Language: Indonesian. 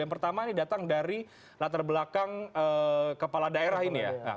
yang pertama ini datang dari latar belakang kepala daerah ini ya